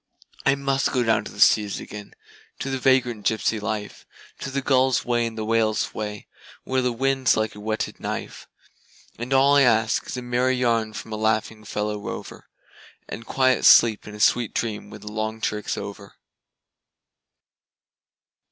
I must go down to the seas again, to the vagrant gypsy life, To the gull's way and the whale's way, where the wind's like a whetted knife; And all I ask is a merry yarn from a laughing fellow rover, And quiet sleep and a sweet dream when the long trick's over.